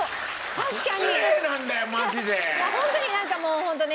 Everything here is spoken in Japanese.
確かに。